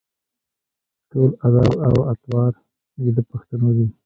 ټول اداب او اطوار یې د پښتنو دي.